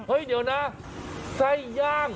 เว้ยเดี๋ยวนะไส้ย่าง